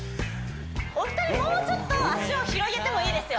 お二人もうちょっと足を広げてもいいですよ